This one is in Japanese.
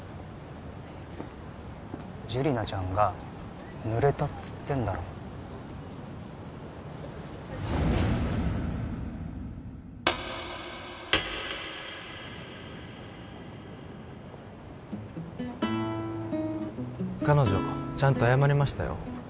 ジュリナちゃんが濡れたっつってんだろ彼女ちゃんと謝りましたよ